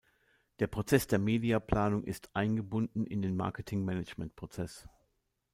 Der Prozess der Mediaplanung ist eingebunden in den Marketing-Management-Prozess.